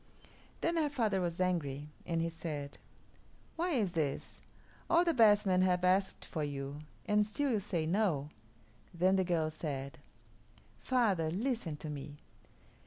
Then her father was angry, and he said, "Why is this? All the best men have asked for you, and still you say 'No.'" Then the girl said, "Father, listen to me.